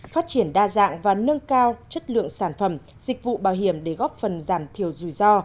phát triển đa dạng và nâng cao chất lượng sản phẩm dịch vụ bảo hiểm để góp phần giảm thiểu rủi ro